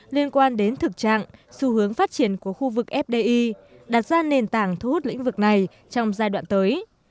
liên quan đến thực trạng xu hướng phát triển của khu vực fdi đặt ra nền tảng thu hút lĩnh vực này trong giai đoạn tới